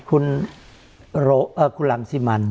คุณลำซีมัน